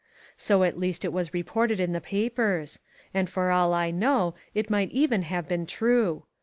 So at least it was reported in the papers; and for all I know it might even have been true.